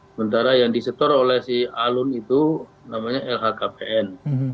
sementara yang disetor oleh si alun itu namanya lhkpn